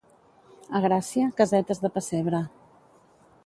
A Gràcia, casetes de pessebre